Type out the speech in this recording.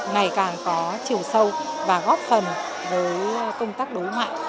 ngày càng có chiều sâu và góp phần với công tác đối ngoại